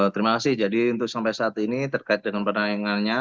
terima kasih jadi untuk sampai saat ini terkait dengan penayangannya